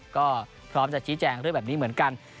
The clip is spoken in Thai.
ก็พร้อมจะชี้แจงเรื่องแบบนี้เหมือนกัน